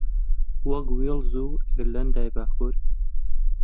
وەک وێڵز و ئێرلەندای باکوور